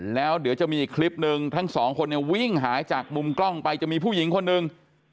แล้วเดี๋ยวจะมีอีกคลิปหนึ่งทั้งสองคนเนี่ยวิ่งหายจากมุมกล้องไปจะมีผู้หญิงคนหนึ่ง